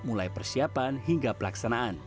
mulai persiapan hingga pelaksanaan